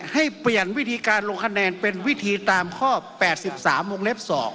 ให้เปลี่ยนวิธีการลงคะแนนเป็นวิธีตามข้อ๘๓วงเล็บ๒